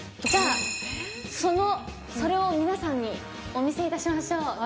じゃあそのそれを皆さんにお見せいたしましょう。